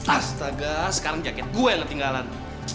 astaga sekarang jaket gue yang ketinggalan